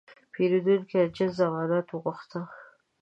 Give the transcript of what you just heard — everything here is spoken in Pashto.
پیرودونکی د جنس ضمانت وغوښته.